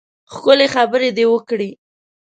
ښکلې خبرې دې وکړې.